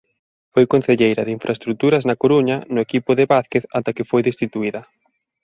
Foi concelleira de Infraestruturas na Coruña no equipo de Vázquez ata que foi destituída.